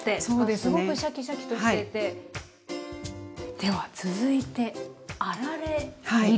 では続いてあられ切り。